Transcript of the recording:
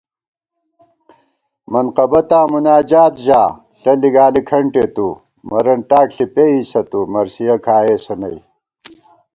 منقبَتاں مُناجات ژا، ݪہ لِگالی کھنٹےتُو * مرَن ٹاک ݪی پېئیسہ تُو مرثیَہ کھائیسہ نئ